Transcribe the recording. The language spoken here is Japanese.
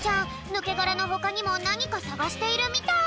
ぬけがらのほかにもなにかさがしているみたい。